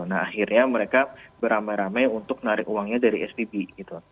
nah akhirnya mereka beramai ramai untuk narik uangnya dari svb gitu